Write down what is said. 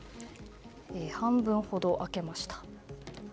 半分ほど開けました。